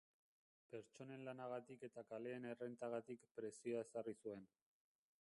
Pertsonen lanagatik eta kaleen errentagatik prezioa ezarri zuen.